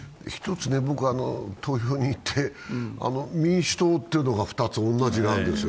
投票に行って、民主党というのが２つ同じなんですよ。